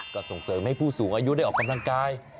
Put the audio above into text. ก็ส่งเสริมให้ผู้สูงอายุได้ออกกำลังกาย